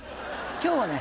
今日はね